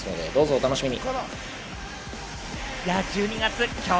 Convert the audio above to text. お楽しみに。